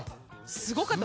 すごかった。